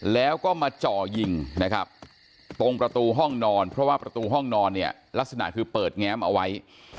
แล้วก็มาจ่อยิงนะครับตรงประตูห้องนอนเพราะว่าประตูห้องนอนเนี่ยลักษณะคือเปิดแง้มเอาไว้